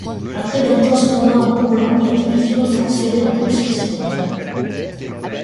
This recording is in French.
Après d'intenses combats en Courlande, la division est transférée en Prusse occidentale.